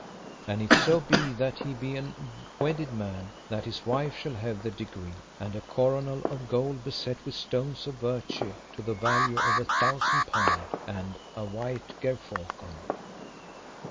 And if so be that he be a wedded man, that his wife shall have the degree, and a coronal of gold beset with stones of virtue to the value of a thousand pound, and a white gerfalcon.